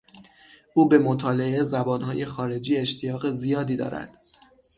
او به مطالعهٔ زبان های خارجی اشتیاق زیادی دارد.